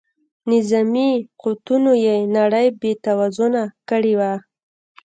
نظامي قوتونو یې نړۍ بې توازونه کړې وه.